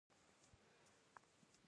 • لور د خوښۍ راز دی.